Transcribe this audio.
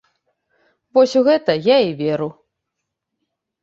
Вось у гэта я і веру.